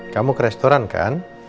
kamu ke restoran kan